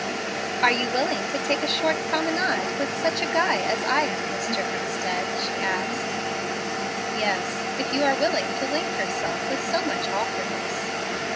"Are you willing to take a short promenade with such a guy as I am, Mr. Hemstead?" she asked. "Yes, if you are willing to link yourself with so much awkwardness."